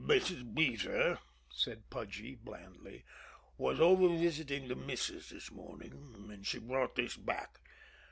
"Mrs. Beezer," said Pudgy blandly, "was over visiting the missus this morning, and she brought this back.